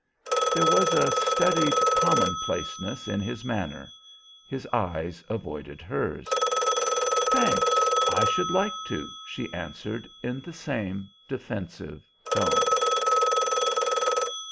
There was a studied commonplaceness in his manner; his eyes avoided hers. "Thanks; I should like to," she answered in the same defensive tone.